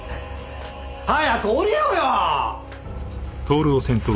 早く下りろよ！